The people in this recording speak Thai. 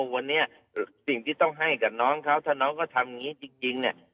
วันนี้สิ่งที่ต้องให้กับน้องเขาถ้าน้องเขาทำอย่างนี้จริงเนี่ย